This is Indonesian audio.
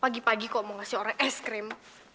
pagi pagi kok mau ngasih orang es krim